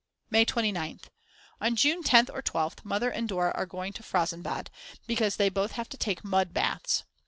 May 29th. On June 10th or 12th, Mother and Dora are going to Frazensbad, because they both have to take mud baths.